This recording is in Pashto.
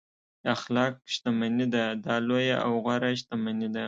اخلاق شتمني ده دا لویه او غوره شتمني ده.